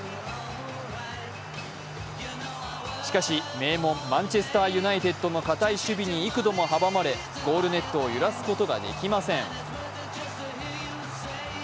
しかし、名門マンチェスターユナイテッドの堅い守備に幾度も阻まれゴールネットを揺らすことができません。